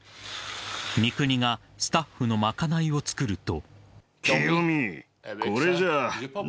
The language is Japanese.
［三國がスタッフの賄いを作ると］